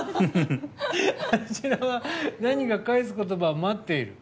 あちらは何か返す言葉を待っている。